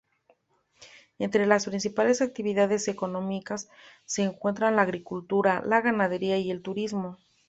Entre las principales actividades económicas se encuentran la agricultura, la ganadería y el turismo.